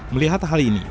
melihat hal ini